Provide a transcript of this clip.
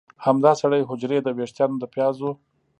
همدا سرې حجرې د ویښتانو د پیازو